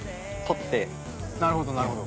なるほどなるほど。